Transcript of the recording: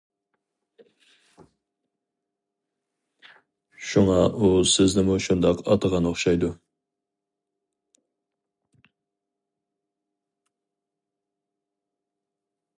شۇڭا ئۇ سىزنىمۇ شۇنداق ئاتىغان ئوخشايدۇ.